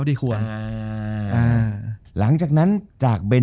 จบการโรงแรมจบการโรงแรม